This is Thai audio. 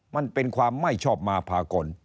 มันเป็นความไม่ชอบมาพากล